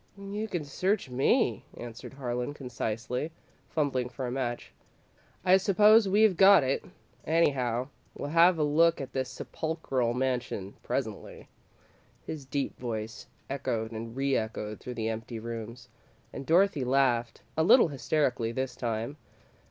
"You can search me," answered Harlan, concisely, fumbling for a match. "I suppose we've got it. Anyhow, we'll have a look at this sepulchral mansion presently." His deep voice echoed and re echoed through the empty rooms, and Dorothy laughed; a little hysterically this time.